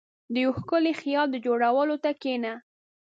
• د یو ښکلي خیال د جوړولو ته کښېنه.